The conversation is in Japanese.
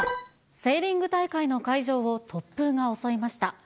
セーリング大会の会場を突風が襲いました。